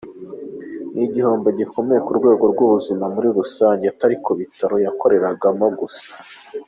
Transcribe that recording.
Ni igihombo gikomeye ku rwego rw’ubuzima muri rusange, atari ku bitaro yakoreraga gusa.”